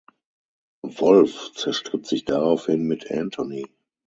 Wolff zerstritt sich daraufhin mit Anthony.